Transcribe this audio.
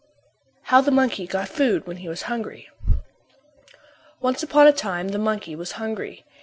XI How the Monkey Got Food When He Was Hungry Once upon a time the monkey was hungry.